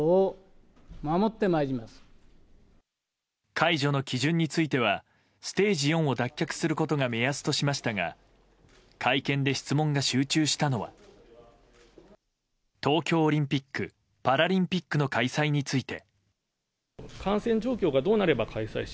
解除の基準についてはステージ４を脱却することが目安としましたが会見で質問が集中したのは東京オリンピック・パラリンピックの開催について。